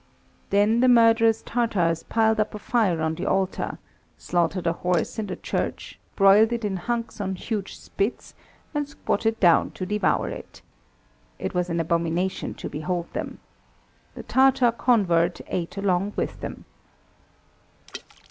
Then the murderous Tatars piled up a fire on the altar, slaughtered a horse in the church, broiled it in hunks on huge spits, and squatted down to devour it. It was an abomination to behold them. The Tatar convert ate along with them.